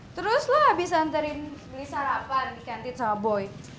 terus lo abis anterin beli sarapan diganti sama boy